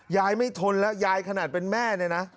ยายไม่ทนแล้วยายขนาดเป็นแม่เนี่ยนะ